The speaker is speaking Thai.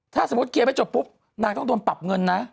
ถ้าสมมุติเคลียร์ไม่จบปุ๊บนางต้องโดนปรับเงินนะ